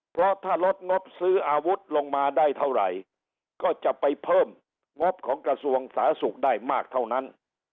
เพราะถ้าลดงบซื้ออาวุธลงมาได้เท่าไหร่ก็จะไปเพิ่มงบของกระทรวงสาธารณสุขได้มากเท่านั้น